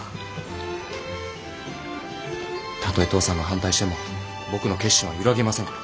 たとえ父さんが反対しても僕の決心は揺らぎませんから。